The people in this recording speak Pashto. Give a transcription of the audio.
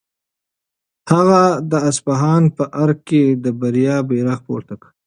هغه د اصفهان په ارګ کې د بریا بیرغ پورته کړ.